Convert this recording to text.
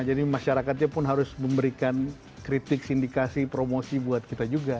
jadi masyarakatnya pun harus memberikan kritik sindikasi promosi buat kita juga